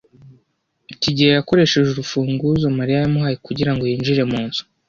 kigeli yakoresheje urufunguzo Mariya yamuhaye kugirango yinjire mu nzu.